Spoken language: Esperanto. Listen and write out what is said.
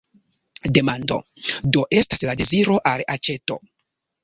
Demando, do, estas la deziro al aĉeto.